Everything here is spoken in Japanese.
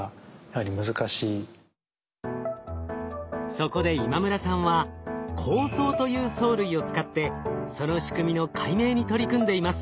そこで今村さんは紅藻という藻類を使ってその仕組みの解明に取り組んでいます。